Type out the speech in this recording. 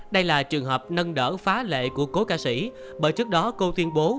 đây là trường hợp nâng đỡ phá lệ của cố ca sĩ bởi trước đó cô tuyên bố